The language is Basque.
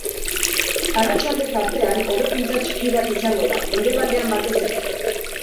Arratsalde partean, hobekuntza txiki bat izango da, mendebaldean batez ere.